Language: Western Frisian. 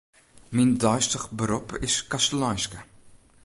Myn deistich berop is kastleinske.